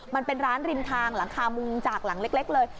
มันเป็นร้านริมทางหลังคามุงจากหลังเล็กเลย